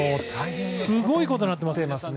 すごいことになっています。